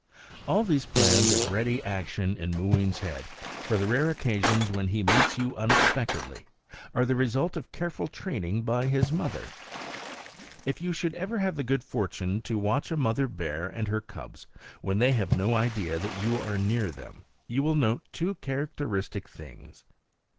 All these plans of ready action in Mooween's head, for the rare occasions when he meets you unexpectedly, are the result of careful training by his mother. If you should ever have the good fortune to watch a mother bear and her cubs when they have no idea that you are near them, you will note two characteristic things.